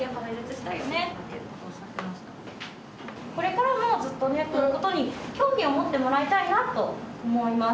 これからもずっとこのことに興味を持ってもらいたいなと思います。